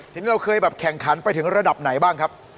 ทีนี้เราเคยแบบแข่งขันไปถึงระดับไหนบ้างครับ